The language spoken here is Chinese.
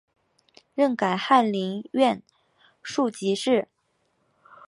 任改翰林院庶吉士。